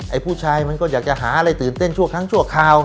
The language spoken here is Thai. ผู้ชายมันก็อยากจะหาอะไรตื่นเต้นชั่วครั้งชั่วคราว